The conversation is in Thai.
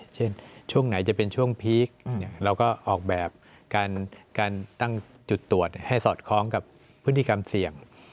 เช่นช่วงไหนจะเป็นช่วงพีคเราก็ออกแบบการตั้งจุดตรวจให้สอดคล้องกับพฤติกรรมเสี่ยง